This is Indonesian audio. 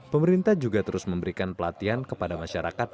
pemerintah juga terus memberikan pelatihan kepada masyarakat